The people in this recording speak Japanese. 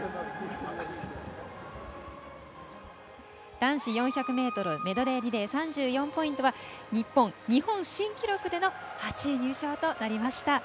男子４００ｍメドレーリレー３４ポイントは日本、日本新記録での８位入賞となりました。